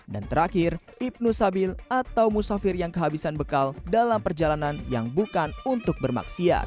dan terakhir ibnu sabil atau musafir yang kehabisan bekal dalam perjalanan yang bukan untuk bermaksiat